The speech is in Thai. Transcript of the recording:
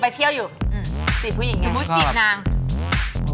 สมมุติจีบนาง